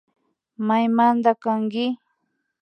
Maymanta kanki